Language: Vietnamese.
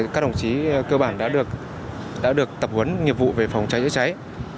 các đồng chí cơ bản đã được tập huấn nghiệp vụ về phòng cháy chữa cháy